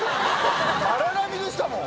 荒波でしたもん。